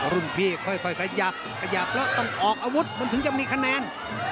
รุ่นพี่ค่อยขยับขยับแล้วต้องออกอาวุธมันถึงจะมีคะแนน